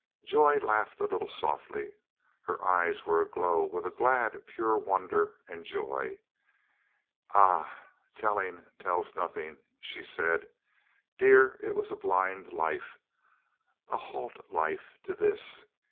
Joy laughed a little softly. Her eyes were aglow with a glad, pure wonder and joy. "Ah, telling tells nothing," she said. "Dear, it was blind life, a halt life to this.